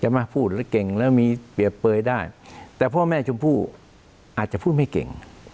มาพูดแล้วเก่งแล้วมีเปรียบเปยได้แต่พ่อแม่ชมพู่อาจจะพูดไม่เก่ง